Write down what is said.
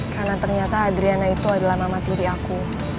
karena ternyata adriana itu adalah mama tiri aku